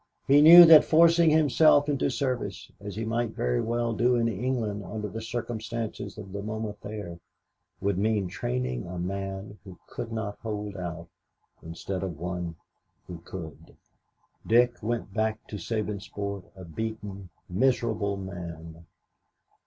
He knew that forcing himself into service, as he might very well do in England under the circumstances of the moment there, would mean training a man who could not hold out instead of one who could. Dick went back to Sabinsport a beaten, miserable man.